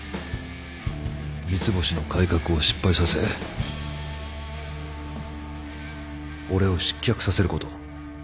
三ツ星の改革を失敗させ俺を失脚させること。